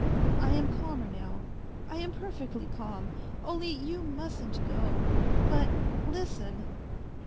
I am calmer now, I am perfectly calm ; only you mustn't go. ... But listen